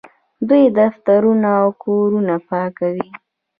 دوی دفترونه او کورونه پاکوي.